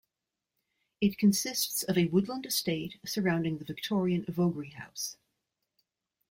It consists of a woodland estate surrounding the Victorian Vogrie House.